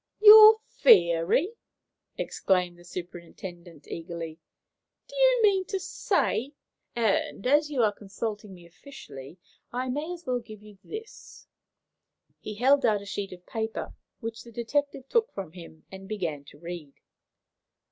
"Your theory!" exclaimed the superintendent, eagerly. "Do you mean to say ?" "And, as you are consulting me officially, I may as well give you this." He held out a sheet of paper, which the detective took from him and began to read.